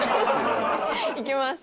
いけます。